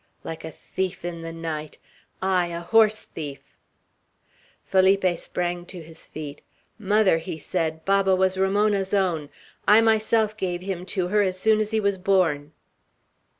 Like a thief in the night! Ay, a horse thief!" Felipe sprang to his feet. "Mother." he said, "Baba was Ramona's own; I myself gave him to her as soon as he was born!"